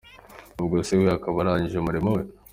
Ubwo we akaba arangije umurimo we.